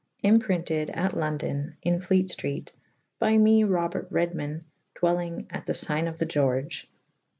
Imprinted at London in Fleteftrete' / by me Robert Redman / dwellyng^ at^ the^ fygne' of the' George.'